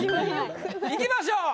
いきましょう。